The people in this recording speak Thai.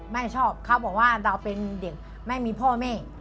แม่ชอบเขาบอกว่าเราเป็นเด็กไม่มีพ่อแม่